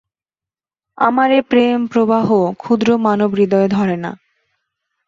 আমার এ প্রেম-প্রবাহ ক্ষুদ্র মানব-হৃদয়ে ধরে না।